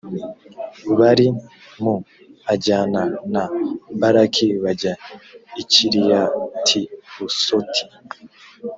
bal mu ajyana na balaki bajya i kiriyatihusoti